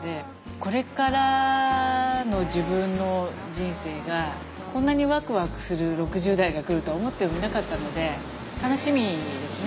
これからの自分の人生がこんなにワクワクする６０代が来るとは思ってもみなかったので楽しみですね